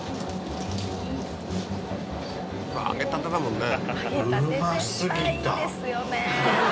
揚げたてだもんね。